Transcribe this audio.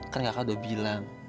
kan kakak udah bilang